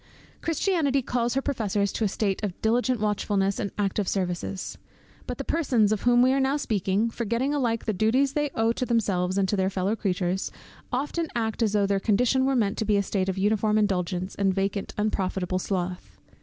Christianity calls her professors to a state of diligent watchfulness and active services. But the persons of whom we are now speaking, forgetting alike the duties they owe to themselves and to their fellow creatures, often act as though their condition were meant to be a state of uniform indulgence, and vacant, unprofitable sloth.